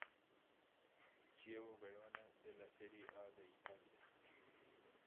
Chievo Verona de la Seria A de Italia.